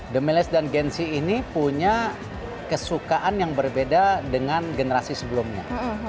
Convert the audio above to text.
the miles dan gen z ini punya kesukaan yang berbeda dengan generasi sebelumnya